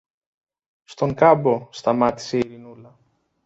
Στον κάμπο σταμάτησε η Ειρηνούλα.